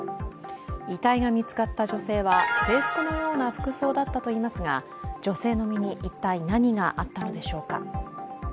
遺体が見つかった女性は制服のような服装だったといいますが、女性の身に一体、何があったのでしょうか。